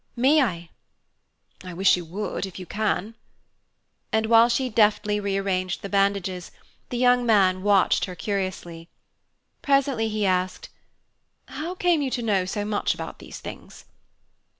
May I?" "I wish you would, if you can." And while she deftly rearranged the bandages, the young man watched her curiously. Presently he asked, "How came you to know so much about these things?"